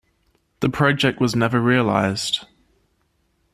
The project was never realised.